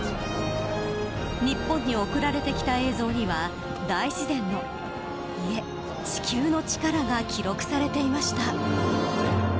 日本に送られてきた映像には大自然のいえ、地球の力が記録されていました。